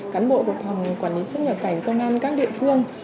cán bộ của phòng quản lý xuất nhập cảnh công an các địa phương